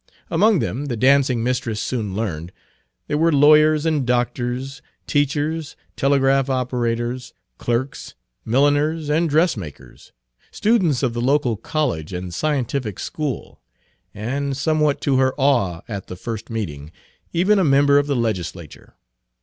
Among them, the dancing mistress soon learned, there were lawyers Page 38 and doctors, teachers, telegraph operators, clerks, milliners and dressmakers, students of the local college and scientific school, and, somewhat to her awe at the first meeting, even a member of the legislature.